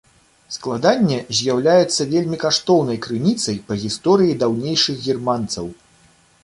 Складанне з'яўляецца вельмі каштоўнай крыніцай па гісторыі даўнейшых германцаў.